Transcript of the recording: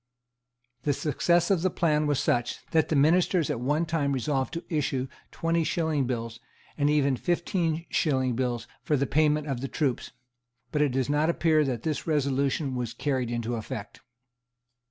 The success of the plan was such, that the ministers at one time resolved to issue twentyshilling bills, and even fifteenshilling bills, for the payment of the troops. But it does not appear that this resolution was carried into effect.